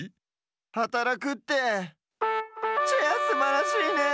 はたらくってチェアすばらしいね。